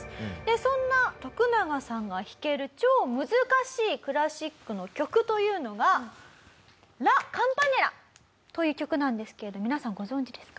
そんなトクナガさんが弾ける超難しいクラシックの曲というのが。という曲なんですけれど皆さんご存じですか？